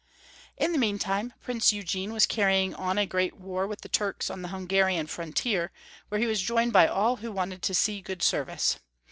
In the meantime. Prince Eugene was carrying on a great war with the Turks on the Hungarian frontier, where he was joined by all who wanted to see good service.